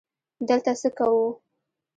_دلته څه کوو؟